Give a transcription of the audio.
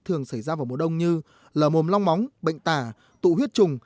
thường xảy ra vào mùa đông như lở mồm long móng bệnh tả tụ huyết trùng